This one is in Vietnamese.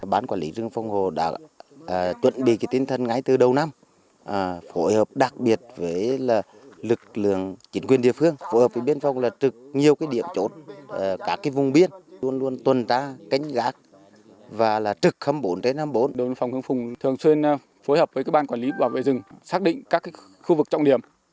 ban quản lý rừng phòng hộ hướng hóa đắc grông tỉnh quảng trị quản lý hai mươi sáu ha rừng